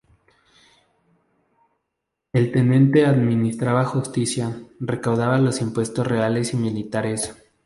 El tenente administraba justicia, recaudaba los impuestos reales y militares.